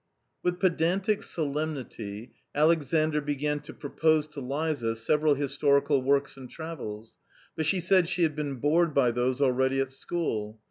With pedantic solemnity he began to propose to her several historical works and travels, but she said she had been bored by those already at school.